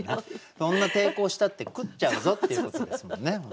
そんな抵抗したって食っちゃうぞっていうことですもんね。